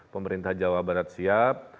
pemerintah jawa barat siap